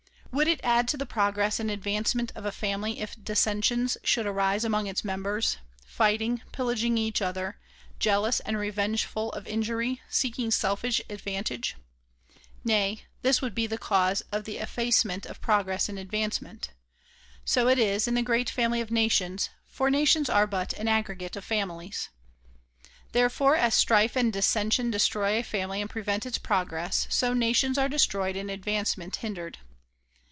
"Would it add to the progress and advancement of a family if dissensions should arise among its members, fighting, pillaging each other, jealous and revengeful of injury, seeking selfish advantage ? Nay, this would be the cause of the effacement of progress and advancement. So it is in the great family of nations, for nations are but an aggregate of families. Therefore 152 THE PROMULGATION OF UNIVERSAL PEACE as strife and dissension destroy a family and prevent its progress, so nations are destroyed and advancement hindered.